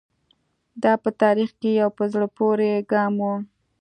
دا په تاریخ کې یو په زړه پورې ګام و.